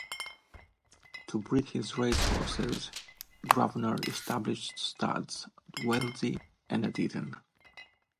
To breed his race horses Grosvenor established studs at Wallasey and at Eaton.